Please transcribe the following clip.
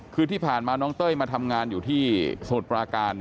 คือที่ผ่านมาน้องเต้ยมาทำงานอยู่ที่สมุทรปราการ